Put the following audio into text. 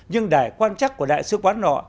nhưng đài quan chắc của đại sứ quán nọ